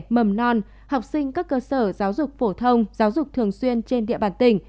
mầm non học sinh các cơ sở giáo dục phổ thông giáo dục thường xuyên trên địa bàn tỉnh